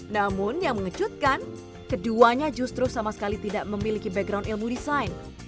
namun yang mengejutkan keduanya justru sama sekali tidak memiliki background ilmu desain